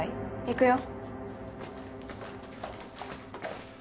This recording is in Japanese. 行くよ。